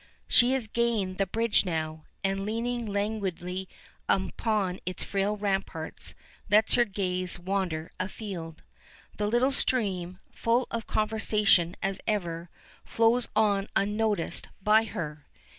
She has gained the bridge now, and leaning languidly upon its frail ramparts lets her gaze wander a field. The little stream, full of conversation as ever, flows on unnoticed by her.